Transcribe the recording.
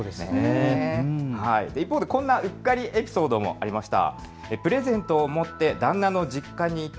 一方でこんなうっかりエピソードもありました。